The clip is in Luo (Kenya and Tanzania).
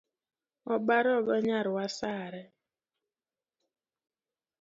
Obarogo nyar wasare